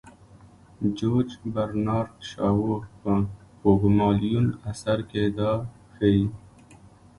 جورج برنارد شاو په پوګمالیون اثر کې دا ښيي.